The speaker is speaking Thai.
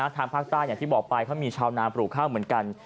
ทางภาคใต้อย่างที่บอกไปเขามีชาวนาปลูกข้าวเหมือนกัน